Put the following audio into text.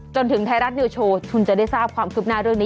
จนถึงไทยรัฐนิวโชว์คุณจะได้ทราบความคืบหน้าเรื่องนี้